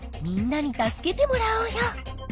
みんなに助けてもらおうよ。